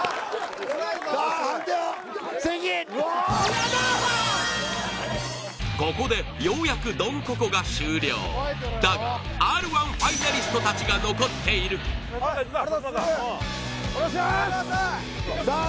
やったここでようやくドンココが終了だがＲ−１ファイナリスト達が残っているいくかサツマカワお願いしますさあ